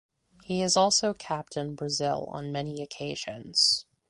He has also captained Brazil on many occasions.